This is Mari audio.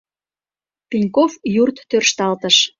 Пеньков юрт тӧршталтыш.